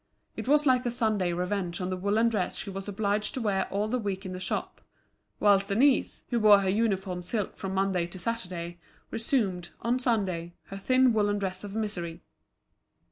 It was like a Sunday revenge on the woollen dress she was obliged to wear all the week in the shop; whilst Denise, who wore her uniform silk from Monday to Saturday, resumed, on Sunday, her thin woollen dress of misery.